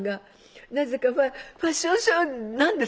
ファッションショーなんです。